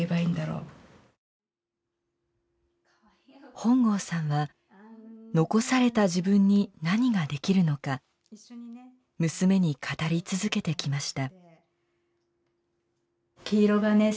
本郷さんは残された自分に何ができるのか娘に語り続けてきました。